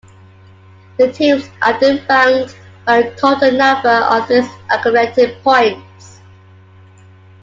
The teams are then ranked by the total number of these accumulated points.